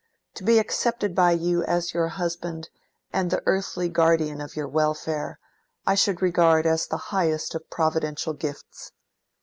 To be accepted by you as your husband and the earthly guardian of your welfare, I should regard as the highest of providential gifts.